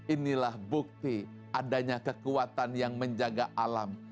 inilah bukti adanya kekuatan yang menjaga alam